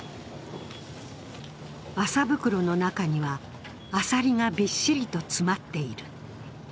麻袋の中にはアサリがびっしりと詰まっている。